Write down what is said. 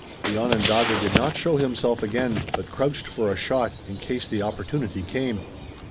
The Onondaga did not show himself again, but crouched for a shot, in case the opportunity came.